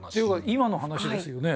今の話ですよね。